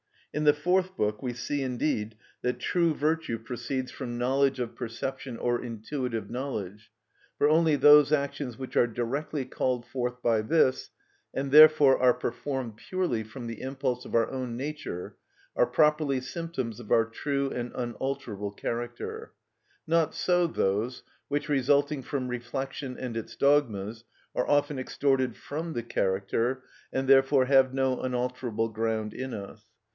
In the fourth book we see indeed that true virtue proceeds from knowledge of perception or intuitive knowledge; for only those actions which are directly called forth by this, and therefore are performed purely from the impulse of our own nature, are properly symptoms of our true and unalterable character; not so those which, resulting from reflection and its dogmas, are often extorted from the character, and therefore have no unalterable ground in us.